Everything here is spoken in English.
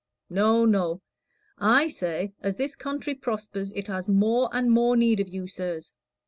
No, no; I say, as this country prospers it has more and more need of you, sirs.